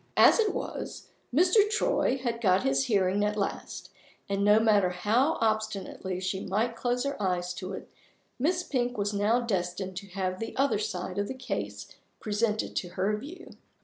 As it was, Mr. Troy had got his hearing at last; and no matter how obstinately she might close her eyes to it, Miss Pink was now destined to have the other side of the case presented to her view.